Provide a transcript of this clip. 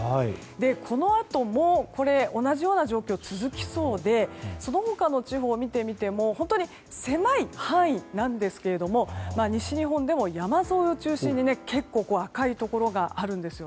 このあとも同じような状況が続きそうでその他の地方を見てみても本当に狭い範囲ですが西日本でも山沿いを中心に赤いところがあるんです。